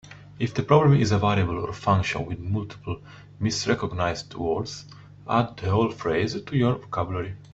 If the problem is a variable or function with multiple misrecognized words, add the whole phrase to your vocabulary.